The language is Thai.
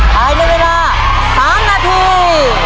ภายในเวลา๓นาที